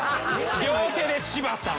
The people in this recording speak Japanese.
両手で柴田。